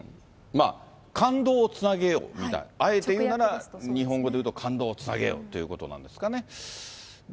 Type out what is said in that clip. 感動をつなげようみたいな、あえて言うなら、日本語で言うと、感動をつなげようということなんですかね。